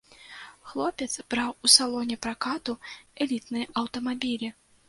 Хлопец браў у салоне пракату элітныя аўтамабілі.